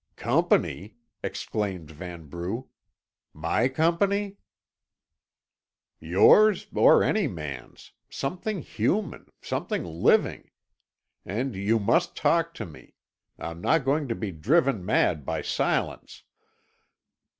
"Company!" exclaimed Vanbrugh. "My company?" "Yours or any man's. Something human something living. And you must talk to me. I'm not going to be driven mad by silence."